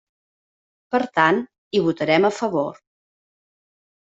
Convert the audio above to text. Per tant, hi votarem a favor.